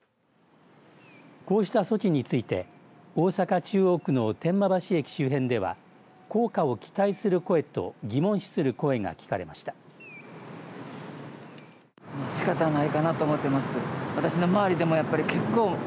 こうした措置について大阪、中央区の天満橋駅周辺では効果を期待する声と疑問視する声が聞かれました。